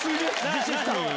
自首した！